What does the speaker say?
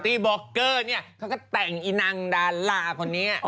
บอกเกอร์เนี่ยเขาก็แต่งอีนังดาราคนนี้